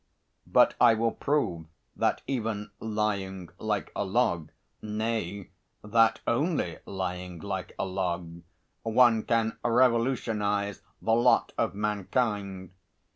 But I will prove that even lying like a log nay, that only lying like a log one can revolutionise the lot of mankind.